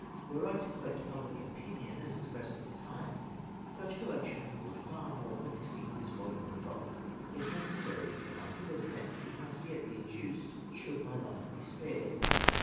Were I to collect pubHc opinion as expressed at the tmie, such coUection would far more than exceed this volume in bulk. If necessary for my fidler defence, it must yet be adduced, should my hfe be spared.